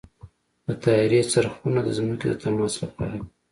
د طیارې څرخونه د ځمکې د تماس لپاره دي.